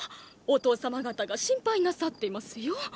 お父様方が心配なさっていますよ。